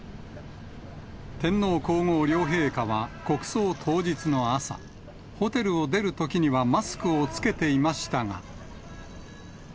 天皇皇后両陛下は国葬当日の朝、ホテルを出るときにはマスクを着けていましたが。